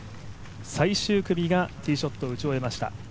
最終組がティーショットを打ち終えました。